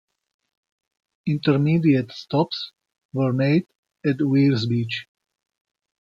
Intermediate stops were made at Weirs Beach.